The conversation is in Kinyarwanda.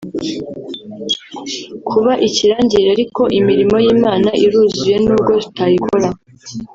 kuba ikirangirire ariko imirimo y’Imana iruzuye n’ubwo tutayikora